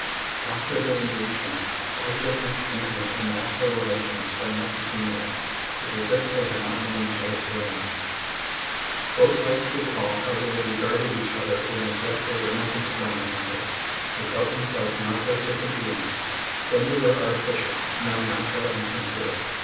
After their engagement, quite different, intimate, and natural relations sprang up between them. It was as if they had not known each other till now. Both liked to recall how they had regarded each other when as yet they were nothing to one another; they felt themselves now quite different beings: then they were artificial, now natural and sincere.